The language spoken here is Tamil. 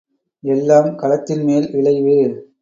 எல்லாம் களத்தின்மேல் விளைவு.